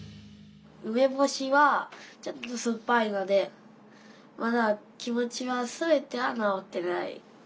梅干しはちょっと酸っぱいのでまだ気持ちは全ては直ってない。